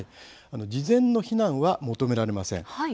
事前の避難は求められません。